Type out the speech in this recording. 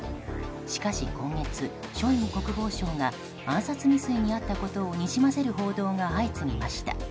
しかし今月、ショイグ国防相が暗殺未遂に遭ったことをにじませる報道が相次ぎました。